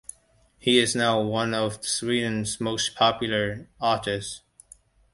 He is now one of Sweden's most popular artists.